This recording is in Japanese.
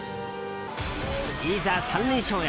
いざ３連勝へ。